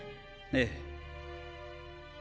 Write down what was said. ええ。